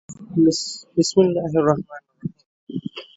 《بِسْمِ اللَّـهِ الرَّحْمَـٰنِ الرَّحِيمِ》